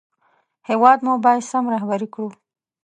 هېواد مو باید سم رهبري کړو